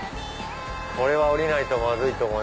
これは降りないとまずい。